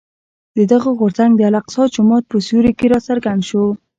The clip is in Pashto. دغه غورځنګ د الاقصی جومات په سیوري کې راڅرګند شو.